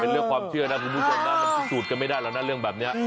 เป็นเรื่องความเชื่อนะคุณผู้ชมสูญสุดกันไม่ได้เลยเรื่องแบบเนี้ย